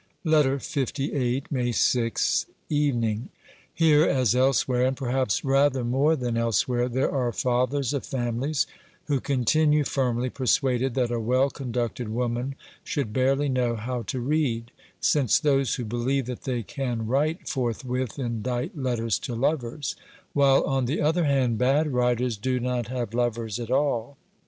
LETTER LVIII May 6, evening. Htre as elsewhere, and perhaps rather more than else where, there are fathers of families who continue firmly persuaded that a well conducted woman should barely know how to read, since those who believe that they can write forthwith indite letters to lovers, while, on the other hand, bad writers do not have lovers at all.